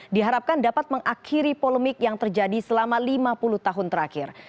diharapkan dapat mengakhiri polemik yang terjadi selama lima puluh tahun terakhir